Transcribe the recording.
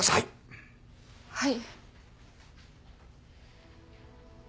はい。